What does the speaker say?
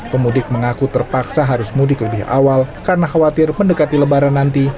pemudik mengaku terpaksa harus mudik lebih awal karena khawatir mendekati lebaran nanti